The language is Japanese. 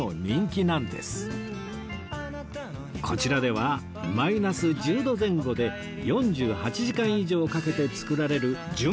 こちらではマイナス１０度前後で４８時間以上かけて作られる純氷を使用